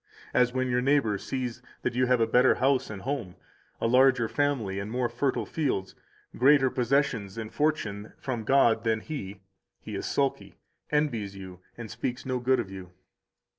184 As when your neighbor sees that you have a better house and home [a larger family and more fertile fields], greater possessions and fortune from God than he, he is sulky, envies you, and speaks no good of you.